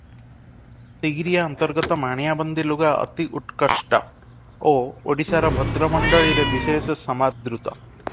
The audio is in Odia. ତିଗିରିଆ ଅନ୍ତର୍ଗତ ମାଣିଆବନ୍ଦୀ ଲୁଗା ଅତି ଉତ୍କଷ୍ଟ ଓ ଓଡ଼ିଶାର ଭଦ୍ରମଣ୍ଡଳୀରେ ବିଶେଷ ସମାଦୃତ ।